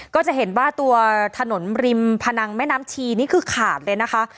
ก็จะเห็นว่าตัวถนนริมพนังแม่น้ำชีนี่คือขาดเลยนะคะ